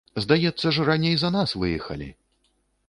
Здаецца ж, раней за нас выехалі?